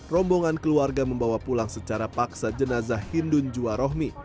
rombongan keluarga membawa pulang secara paksa jenazah hindun juwarohmi